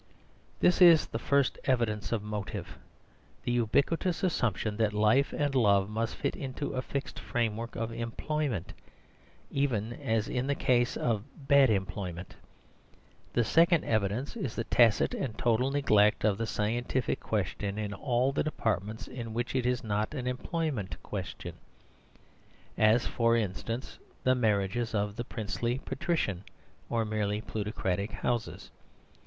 This is the first evidence of motive: the ubiquitous assumption that life and love must fit into a fixed framework of employment, even (as in this case) of bad employment. The second evidence is the tacit and total neglect of the scientific question in all the departments in which it is not an employment question; as, for instance, the marriages of the princely, patrician, or merely plutocratic houses.